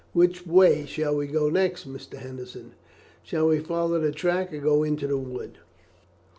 Which way shall we go next, Mr. Henderson shall we follow the track or go into the wood?"